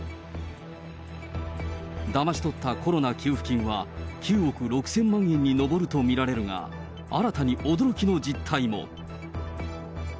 だまし取ったコロナ給付金は９億６０００万円に上ると見られるが、新たに驚きの実態も。